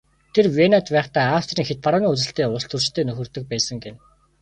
Тэр Венад байхдаа Австрийн хэт барууны үзэлтэй улстөрчтэй нөхөрлөдөг байсан гэнэ.